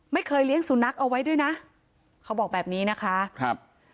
เลี้ยงสุนัขเอาไว้ด้วยนะเขาบอกแบบนี้นะคะครับ